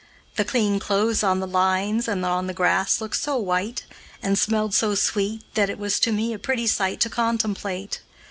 The clean clothes on the lines and on the grass looked so white, and smelled so sweet, that it was to me a pretty sight to contemplate.